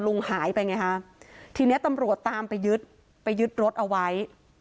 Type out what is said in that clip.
ลุงหายไปไงฮะทีนี้ตำรวจตามไปยึดไปยึดรถเอาไว้